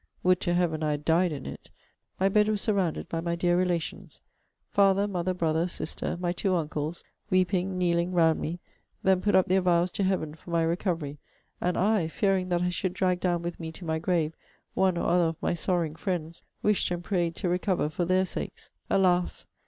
[would to Heaven I had died in it!] my bed was surrounded by my dear relations father, mother, brother, sister, my two uncles, weeping, kneeling, round me, then put up their vows to Heaven for my recovery; and I, fearing that I should drag down with me to my grave one or other of my sorrowing friends, wished and prayed to recover for their sakes. Alas!